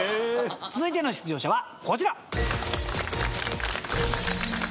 続いての出場者はこちら。